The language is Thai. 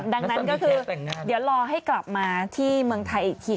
ดังนั้นก็คือเดี๋ยวรอให้กลับมาที่เมืองไทยอีกที